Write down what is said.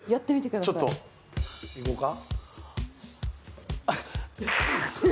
ちょっといこか。